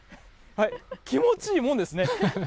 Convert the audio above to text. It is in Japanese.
気持ちいいもんですね。